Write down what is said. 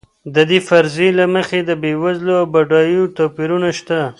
د دې فرضیې له مخې د بېوزلو او بډایو توپیرونه شته.